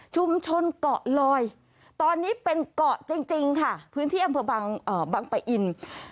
เกาะลอยตอนนี้เป็นเกาะจริงค่ะพื้นที่อำเภอบางปะอิน